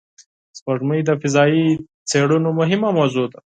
سپوږمۍ د فضایي څېړنو مهمه موضوع ده